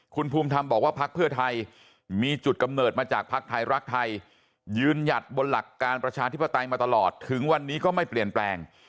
คุณภูมิธรรมบอกว่าพักเพื่อไทยมีจุดกำเนิดมาจากภักดิ์ไทยรักไทยยืนหยัดบนหลักการประชาธิปไตยมาตลอดถึงวันนี้ก็ไม่เปลี่ยนแปลง